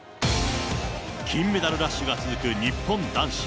金メダルラッシュが続く日本男子。